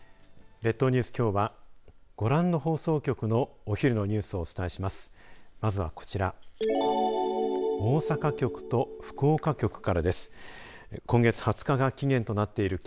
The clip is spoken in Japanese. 列島ニュース、きょうはご覧の放送局のお昼のニュースをお伝えします。